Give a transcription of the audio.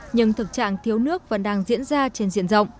nhưng thực trạng thiếu nước vẫn đang diễn ra trên diện rộng